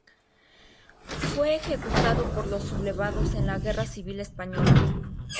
Fue ejecutado por los sublevados en la Guerra Civil Española.